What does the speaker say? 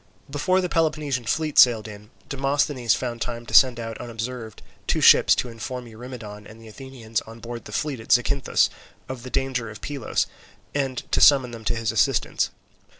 Before the Peloponnesian fleet sailed in, Demosthenes found time to send out unobserved two ships to inform Eurymedon and the Athenians on board the fleet at Zacynthus of the danger of Pylos and to summon them to his assistance.